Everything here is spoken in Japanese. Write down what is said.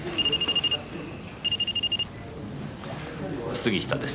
杉下です。